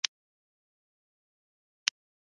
آزاد تجارت مهم دی ځکه چې کاري فرصتونه جوړوي.